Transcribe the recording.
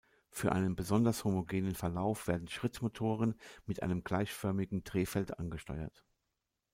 Für einen besonders homogenen Verlauf werden Schrittmotoren mit einem gleichförmigen Drehfeld angesteuert.